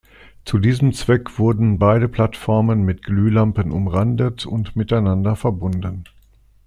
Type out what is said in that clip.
Zu diesem Zweck wurden beide Plattformen mit Glühlampen umrandet und miteinander verbunden.